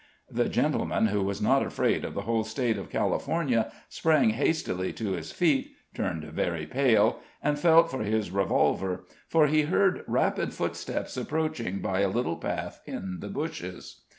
The gentleman who was not afraid of the whole State of California sprang hastily to his feet, turned very pale, and felt for his revolver, for he heard rapid footsteps approaching by a little path in the bushes.